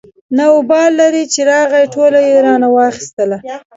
نه وبال لري چې راغی ټوله يې رانه واخېستله.